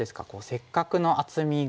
せっかくの厚みが。